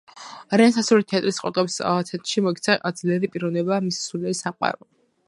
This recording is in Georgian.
რენესანსული თეატრის ყურადღების ცენტრში მოექცა ძლიერი პიროვნება, მისი სულიერი სამყარო.